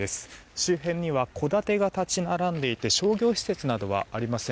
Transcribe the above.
周辺には戸建てが立ち並んでいて商業施設などはありません。